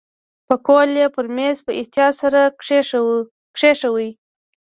پکول یې پر میز په احتیاط سره کېښود.